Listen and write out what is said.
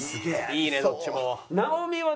いいねどっちも。